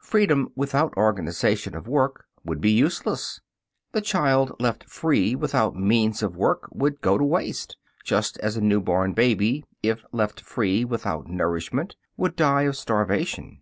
Freedom without organization of work would be useless. The child left free without means of work would go to waste, just as a new born baby, if left free without nourishment, would die of starvation.